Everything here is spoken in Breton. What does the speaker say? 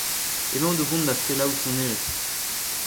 Emaon o vont da selaou sonerezh.